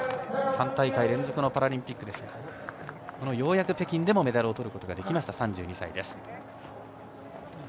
３大会連続のパラリンピックですがようやく北京でもメダルをとることができました３２歳。